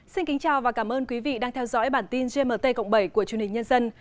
xin kính chào và cảm ơn quý vị đang theo dõi bản tin gmt bảy của chương trình nhân dân